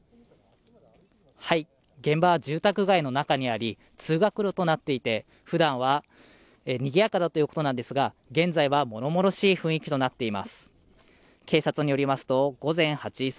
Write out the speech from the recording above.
現場は住宅街の中にあり通学路となっていて普段はにぎやかだということなんですが現在はものものしい雰囲気となっています